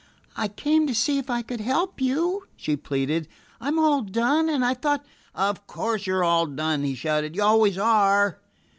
"I came to see if I could help you," she pleaded. "I 'm all done, and I thought " "Of course you 're all done!" he shouted. "You always are!"